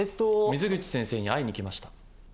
水口先生に会いに来ました。